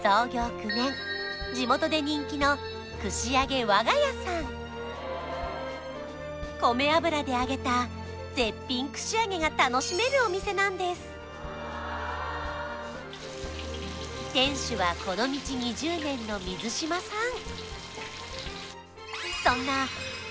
９年地元で人気の串揚げ和が家さん米油で揚げた絶品串揚げが楽しめるお店なんです店主はこの道２０年の水嶋さん